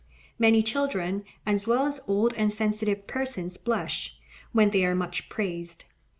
Many children, as well as old and sensitive persons blush, when they are much praised.